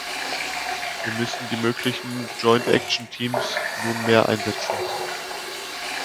Wir müssen die möglichen joint action teams nunmehr einsetzen.